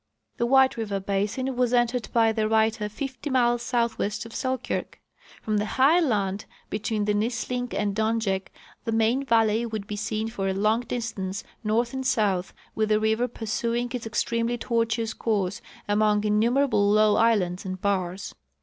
The White River basin was entered by the Avriter fifty miles southwest of Selkirk. From the high land between the Nisling * and Donjek the main valley could be seen for a long distance north and south, with the river pursuing its extremely tortuous course among innumerable low islands and bars.